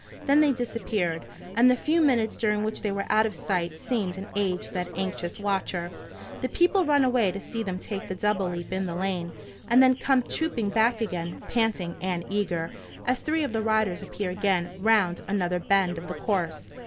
Then they disappeared, and the few minutes during which they were out of sight seemed an age to that anxious watcher. The people run away to see them take the double leap in the lane, and then come trooping back again, panting and eager, as three of the riders appear again round another bend of the course.